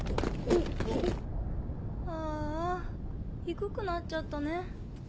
ああ低くなっちゃったね。